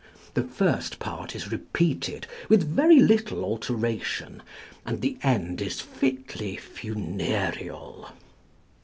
The first part is repeated with very little alteration, and the end is fitly funereal.